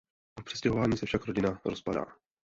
Po přestěhování se však rodina rozpadá.